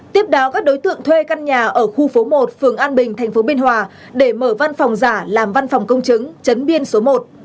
tiếp đó các đối tượng thuê căn nhà ở khu phố một phường an bình tp biên hòa để mở văn phòng giả làm văn phòng công chứng chấn biên số một